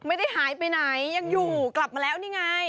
ไม่ได้หายไปไหนยังอยู่กลับมาแล้วนี่ไง